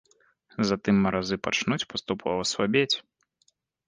Затым маразы пачнуць паступова слабець.